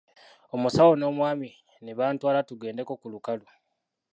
Omusawo n'Omwami ne bantwala tugendeko ku lukalu.